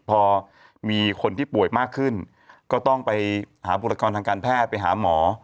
พอมีคนที่ป่วยมากขึ้นก็ต้องไปหาบุคลากรทางการแพทย์ไปหาหมอ